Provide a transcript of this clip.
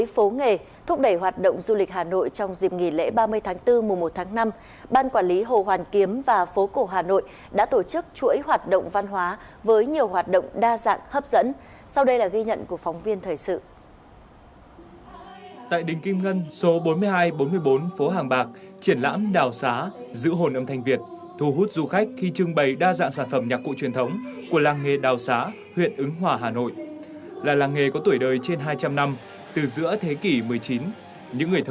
phố nghề thúc đẩy du lịch quảng bá hình ảnh khu phố cổ hà nội nói riêng và thủ đô nói chung